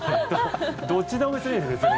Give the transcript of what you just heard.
どっちでも別にいいですよね。